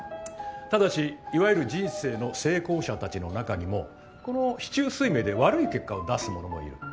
ただしいわゆる人生の成功者たちの中にもこの四柱推命で悪い結果を出す者もいる。